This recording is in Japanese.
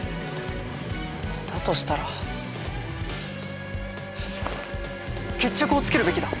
だとしたら決着をつけるべきだ。